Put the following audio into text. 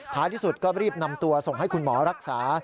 ที่สุดก็รีบนำตัวส่งให้คุณหมอรักษา